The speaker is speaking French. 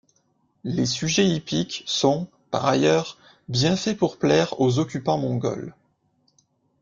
Les sujets hippiques sont, par ailleurs, bien faits pour plaire aux occupants mongols.